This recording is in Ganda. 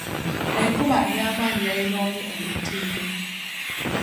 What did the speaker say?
Enkuba ey'amaanyi yayonoonye olutindo.